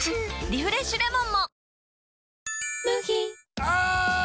「リフレッシュレモン」も！